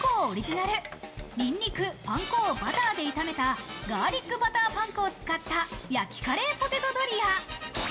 オリジナルニンニク、パン粉をバターで炒めたガーリックバターパン粉を使った焼き、カレーポテトドリア。